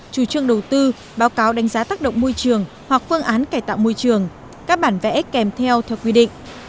chủ trương đầu tư báo cáo đánh giá tác động môi trường hoặc phương án cải tạo môi trường các bản vẽ kèm theo theo quy định